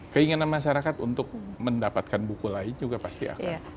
keinginan masyarakat untuk mendapatkan buku lain juga pasti akan